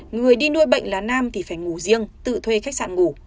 người đi nuôi bệnh là nam thì phải ngủ riêng tự thuê khách sạn ngủ